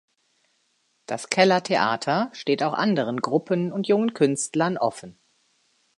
Das Kellertheater steht auch anderen Gruppen und jungen Künstlern offen.